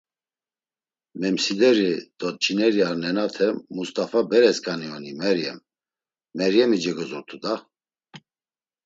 Memsileri do nç̌ineri ar nenate: “Must̆afa beresǩani oni Meryem? Meryemi cegozurt̆u da?”